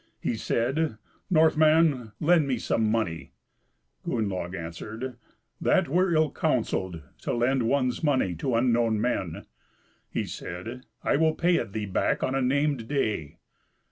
He said, "Northman, lend me some money." Gunnlaug answered, "That were ill counselled to lend one's money to unknown men." He said, "I will pay it thee back on a named day."